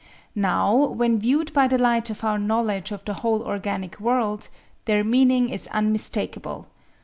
Now when viewed by the light of our knowledge of the whole organic world, their meaning is unmistakable.